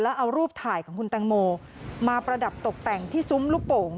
แล้วเอารูปถ่ายของคุณแตงโมมาประดับตกแต่งที่ซุ้มลูกโป่ง